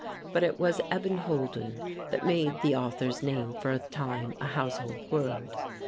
But it was "Eben Holden" that made the author's name for a time a household word.